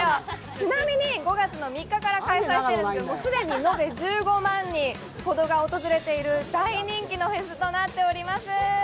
ちなみに５月の３日から開催しているんですが、既に延べ１５万人ほどが訪れている大人気のフェスとなっております。